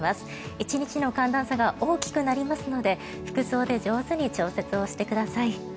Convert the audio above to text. １日の寒暖差が大きくなりますので服装で上手に調節をしてください。